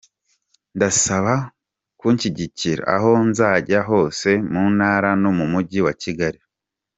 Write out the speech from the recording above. Ndabasaba kunshyigikira aho nzajya hose mu ntara no mu mujyi wa Kigali.